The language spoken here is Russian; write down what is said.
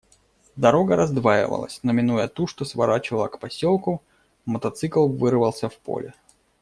Дорога раздваивалась, но, минуя ту, что сворачивала к поселку, мотоцикл вырвался в поле.